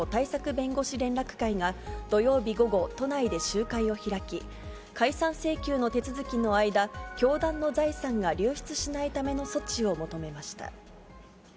弁護士連絡会が、土曜日午後、都内で集会を開き、解散請求の手続きの間、教団の財産が流出しないための措置を求めました。